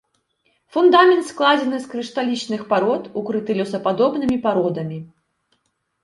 Фундамент складзены з крышталічных парод, укрыты лёсападобнымі пародамі.